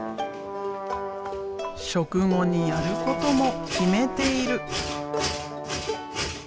食後にやることも決めている。